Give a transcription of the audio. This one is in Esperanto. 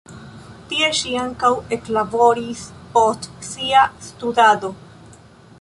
Tie ŝi ankaŭ eklaboris post sia studado.